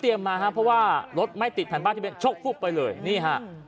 เตรียมมาฮะเพราะว่ารถไม่ติดท่านบ้านที่เป็นชกพลุกไปเลยนี่ฮะ